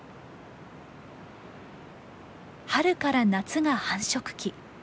春から夏が繁殖期。